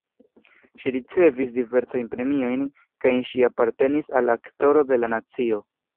Ŝi ricevis diversajn premiojn kaj ŝi apartenis al Aktoro de la nacio.